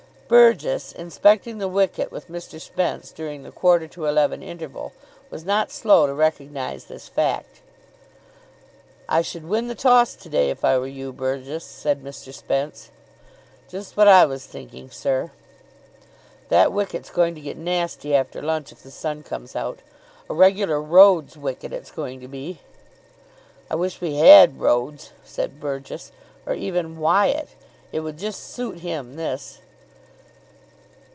Burgess, inspecting the wicket with Mr. Spence during the quarter to eleven interval, was not slow to recognise this fact. "I should win the toss to day, if I were you, Burgess," said Mr. Spence. "Just what I was thinking, sir." "That wicket's going to get nasty after lunch, if the sun comes out. A regular Rhodes wicket it's going to be." "I wish we had Rhodes," said Burgess. "Or even Wyatt. It would just suit him, this."